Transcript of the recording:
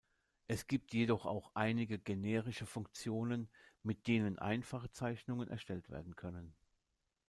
Es gibt jedoch auch einige generische Funktionen, mit denen einfache Zeichnungen erstellt werden können.